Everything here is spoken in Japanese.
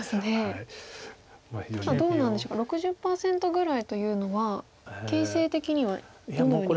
ただどうなんでしょうか６０％ぐらいというのは形勢的にはどのように。